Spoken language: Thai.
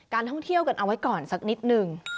ท่องเที่ยวกันเอาไว้ก่อนสักนิดหนึ่ง